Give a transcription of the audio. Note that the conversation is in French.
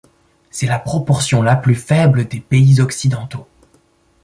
C'est la proportion la plus faible des pays occidentaux.